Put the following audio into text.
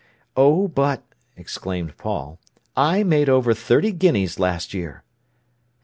"Oh, but," exclaimed Paul, "I made over thirty guineas last year."